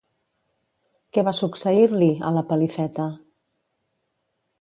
Què va succeir-li, a la Pelifeta?